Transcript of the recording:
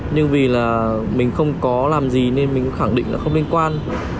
nhưng vì là mình không có làm gì nên mình cũng khẳng định là không liên quan